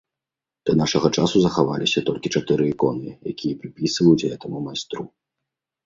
Да нашага часу захаваліся толькі чатыры іконы, якія прыпісваюць гэтаму майстру.